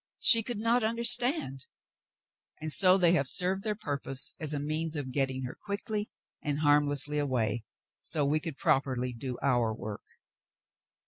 ^ She could not understand, and so they have served their pur pose as a means of getting her quietly and harmlessly away so we could properly do our work."